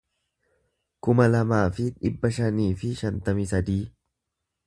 kuma lamaa fi dhibba shanii fi shantamii sadii